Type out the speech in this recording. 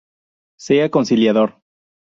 Sea conciliador.